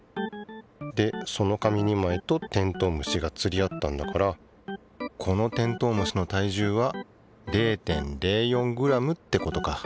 でその紙２枚とテントウムシがつり合ったんだからこのテントウムシの体重は０．０４ｇってことか。